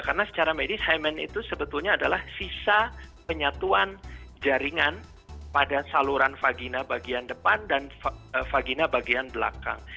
karena secara medis himen itu sebetulnya adalah sisa penyatuan jaringan pada saluran vagina bagian depan dan vagina bagian belakang